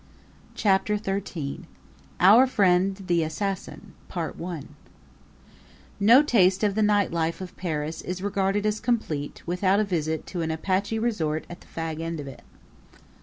Chapter XIII Our Friend, the Assassin No taste of the night life of Paris is regarded as complete without a visit to an Apache resort at the fag end of it.